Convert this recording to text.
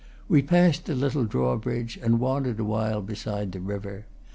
We passed the little drawbridge, and wandered awhile beside the river.